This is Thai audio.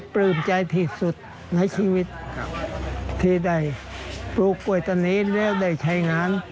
ปลื้มใจที่สุดในชีวิตที่ได้ปลูกป่วยตอนนี้แล้วได้ใช้งาน